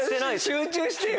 集中してよ！